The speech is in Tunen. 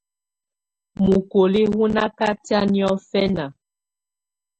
Mukoli wù nà katɛ̀á niɔ̀fɛ̀na.